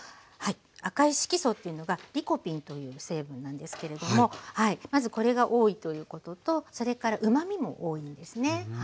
赤い色素というのがリコピンという成分なんですけれどもまずこれが多いということとそれからうまみも多いんですね。